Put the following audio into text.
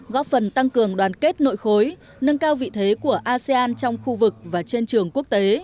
góp phần tăng cường đoàn kết nội khối nâng cao vị thế của asean trong khu vực và trên trường quốc tế